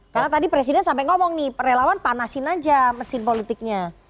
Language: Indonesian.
karena tadi presiden sampai ngomong nih relawan panaskan aja mesin politiknya